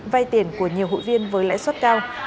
vay tiền của nhiều hụi viên với lãi suất cao